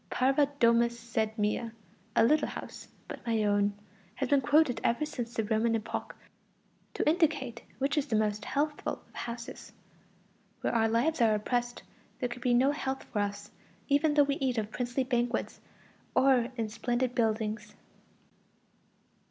Parva domus sed mea (a little house, but my own), has been quoted ever since the Roman epoch to indicate which is the most healthful of houses. Where our lives are oppressed, there can be no health for us, even though we eat of princely banquets or in splendid buildings.